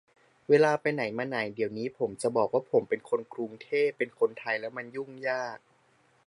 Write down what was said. เวลาไปไหนมาไหน เดี๋ยวนี้ผมจะบอกว่าผมเป็นคนกรุงเทพ เป็นคนไทยแล้วมันยุ่งยาก